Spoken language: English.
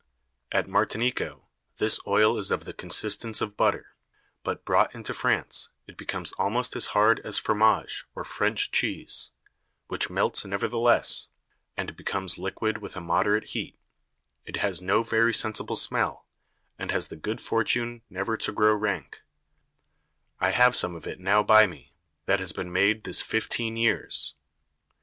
At Martinico this Oil is of the Consistence of Butter, but brought into France, it becomes almost as hard as Fromage, or French Cheese, which melts nevertheless, and becomes liquid with a moderate Heat: it has no very sensible Smell, and has the good fortune never to grow rank; I have some of it now by me, that has been made this fifteen Years.